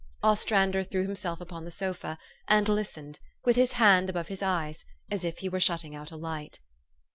Ostrander threw himself upon the sofa, and lis tened, with his hand above his eyes, as if he were shutting out a light.